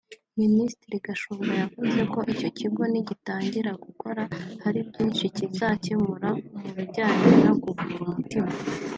Minisitiri Gashumba yavuze ko icyo kigo nigitangira gukora hari byinshi kizakemura mu bijyanye no kuvura umutima